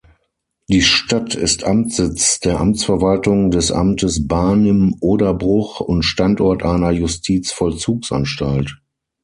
Die Stadt ist Amtssitz der Amtsverwaltung des Amtes Barnim-Oderbruch und Standort einer Justizvollzugsanstalt.